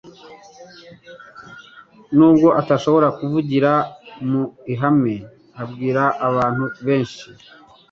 N'ubwo atashobora kuvugira mu nlhame abwira abantu benshi,